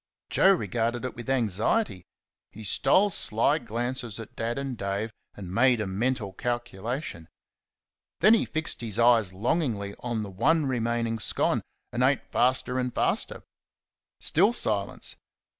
Joe regarded it with anxiety. He stole sly glances at Dad and at Dave and made a mental calculation. Then he fixed his eyes longingly on the one remaining scone, and ate faster and faster....Still silence.